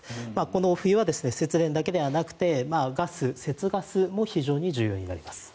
この冬は節電だけではなくて節ガスも非常に重要になります。